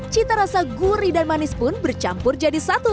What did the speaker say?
cinta rasa gurih dan manis pun bercampur jadi satu